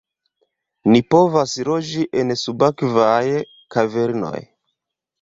"Ni povas loĝi en subakvaj kavernoj!"